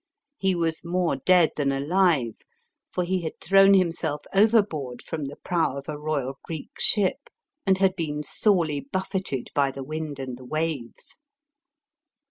He was more dead than alive, for he had thrown himself overboard, from the prow of a royal Greek ship, and had bSen sorely buffeted by the wind and the waves.